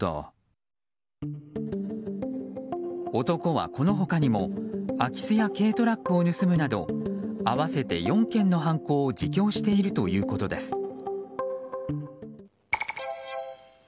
男は、この他にも空き巣や軽トラックを盗むなど合わせて４件の犯行を自供しているということです。